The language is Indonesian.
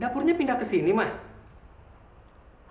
dapurnya pindah kesini mah